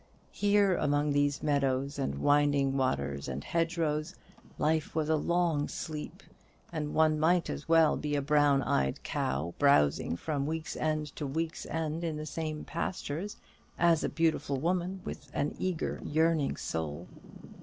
Here among these meadows, and winding waters, and hedgerows, life was a long sleep: and one might as well be a brown eyed cow, browsing from week's end to week's end in the same pastures, as a beautiful woman with an eager yearning soul.